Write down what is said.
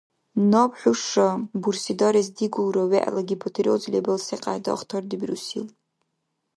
Наб хӀуша бурсидарес дигулра вегӀла гипотиреоз лебал секьяйда ахтардибирусил.